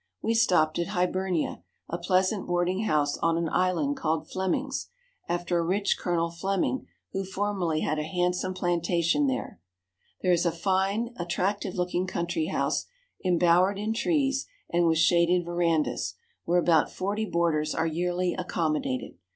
We stopped at Hibernia, a pleasant boarding house on an island called Fleming's, after a rich Col. Fleming who formerly had a handsome plantation there. There is a fine, attractive looking country house, embowered in trees and with shaded verandas, where about forty boarders are yearly accommodated.